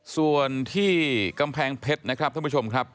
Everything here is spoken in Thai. ส่วนที่กำแพงเพชรนะครับท่านผู้ชมครับ